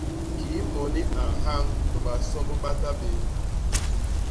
Kii moni a nhañ to basomb ba ta bé.